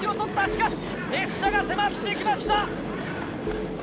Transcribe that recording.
しかし列車が迫ってきました。